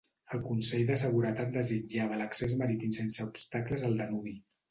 El Consell de Seguretat desitjava l'accés marítim sense obstacles al Danubi.